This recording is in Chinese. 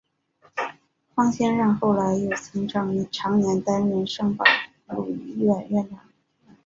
方心让后来又曾长年担任圣保禄医院院长一职。